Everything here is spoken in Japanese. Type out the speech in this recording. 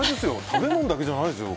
食べ物だけじゃないですよ。